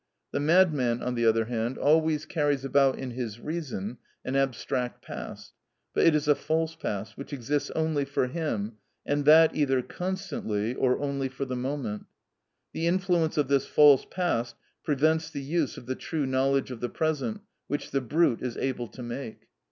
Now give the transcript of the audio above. The madman, on the other hand, always carries about in his reason an abstract past, but it is a false past, which exists only for him, and that either constantly, or only for the moment. The influence of this false past prevents the use of the true knowledge of the present which the brute is able to make.